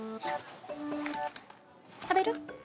食べる？